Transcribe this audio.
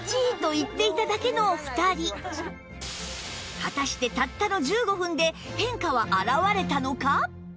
果たしてたったの１５分で変化は表れたのか？